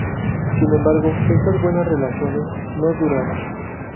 Sin embargo, estas buenas relaciones no duraron.